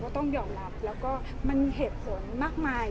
ต้องยอมรับแล้วก็มันมีเหตุผลมากมาย